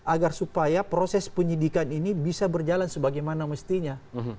agar supaya proses penyidikan ini bisa berjalan sebagaimana mestinya